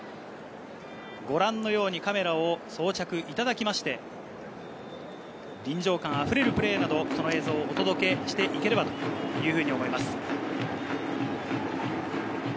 ご覧のようにカメラを装着いただいて、臨場感あふれるプレーなど、その映像をお届けしていければと思います。